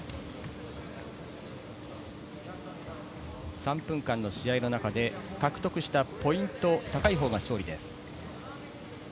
３分間の試合の中で獲得したポイント高い方が勝利です。